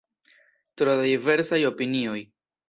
Tro da diversaj opinioj.